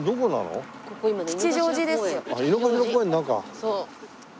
そう。